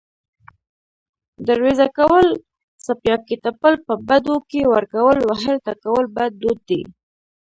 دروېزه کول، څپياکې تپل، په بدو کې ورکول، وهل، ټکول بد دود دی